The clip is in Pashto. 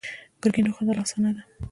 ګرګين وخندل: اسانه ده.